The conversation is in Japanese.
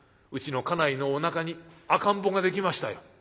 うちの家内のおなかに赤ん坊ができましたよ」。